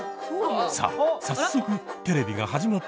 ・さあ早速テレビが始まったようですよ。